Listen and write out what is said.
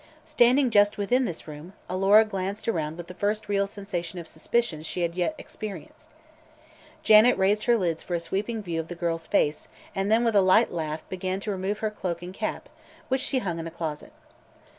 Standing just within this room, Alora glanced around with the first real sensation of suspicion she had yet experienced. Janet raised her lids for a sweeping view of the girl's face and then with a light laugh began to remove her own cloak and cap, which she hung in a closet.